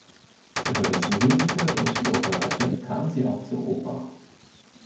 Über das Musical und die Operette kam sie auch zur Oper.